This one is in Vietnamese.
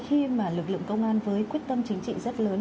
khi mà lực lượng công an với quyết tâm chính trị rất lớn